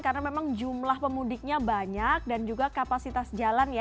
karena memang jumlah pemudiknya banyak dan juga kapasitas jalan ya